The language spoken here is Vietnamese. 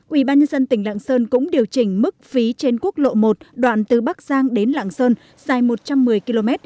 ủy ban nhân dân tỉnh lạng sơn cũng điều chỉnh mức phí trên quốc lộ một đoạn từ bắc giang đến lạng sơn dài một trăm một mươi km